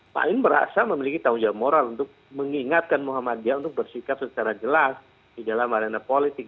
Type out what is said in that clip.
pak amin merasa memiliki tanggung jawab moral untuk mengingatkan muhammadiyah untuk bersikap secara jelas di dalam arena politik